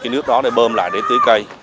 nước đó để bơm lại để tưới cây